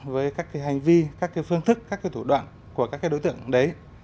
với các cái hành vi các cái phương thức các cái thủ đoạn của các cái đối tượng đấy